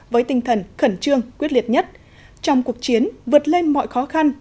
với tinh thần khẩn trương quyết liệt nhất trong cuộc chiến vượt lên mọi khó khăn